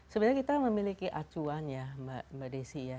sebenarnya kita memiliki acuan ya mbak desi ya